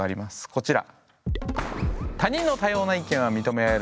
こちら。